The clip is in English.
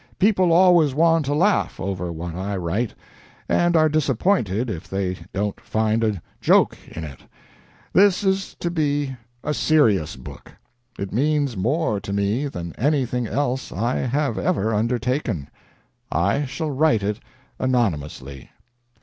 People always want to laugh over what I write, and are disappointed if they don't find a joke in it. This is to be a serious book. It means more to me than anything else I have ever undertaken. I shall write it anonymously."